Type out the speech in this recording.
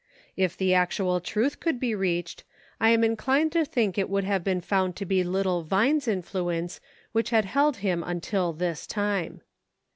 If the actual truth could be reached, I am inclined to think it would have been found to be little Vine's influence which had held him until this time.